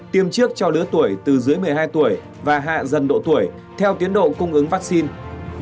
tiêm trước cho lứa tuổi từ dưới một mươi hai tuổi và hạ dần độ tuổi theo tiến độ cung ứng vaccine